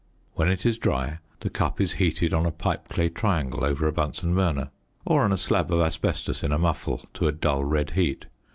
When it is dry, the cup is heated on a pipe clay triangle over a Bunsen burner, or on a slab of asbestos in a muffle, to a dull red heat.